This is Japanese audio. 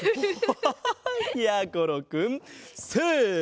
おやころくんせの。